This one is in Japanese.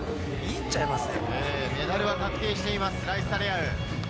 メダルは確定しています、ライッサ・レアウ。